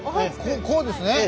こうですね！